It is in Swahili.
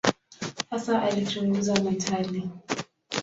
Hasa alichunguza metali.